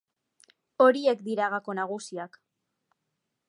Horiek dira gako nagusiak.